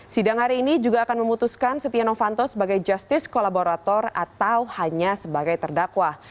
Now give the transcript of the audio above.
sidang hari ini juga akan memutuskan setia novanto sebagai justice kolaborator atau hanya sebagai terdakwa